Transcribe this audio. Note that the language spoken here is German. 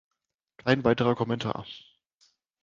Kein weiterer Kommentar.